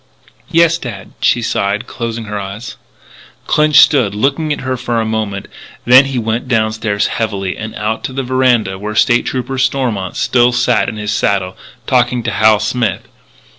"Yes, dad," she sighed, closing her eyes. Clinch stood looking at her for a moment, then he went downstairs heavily, and out to the veranda where State Trooper Stormont still sat his saddle, talking to Hal Smith.